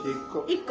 １個？